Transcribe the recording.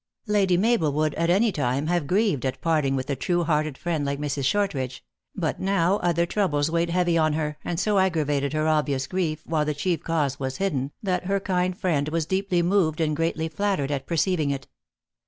Lady Mabel would, at any time, have grieved at parting with a true heart ed friend like Mrs. Shortridge ; but now other troubles weighed heavy on her, and so aggravated her obvious grief, while the chief cause was hidden, that her kind friend was deeply moved and greatly flattered at per ceiving it.